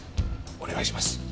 お願いします。